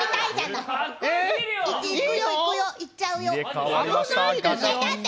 いくよいくよ、いっちゃうよ。